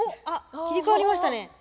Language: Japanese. あっ切り替わりましたね。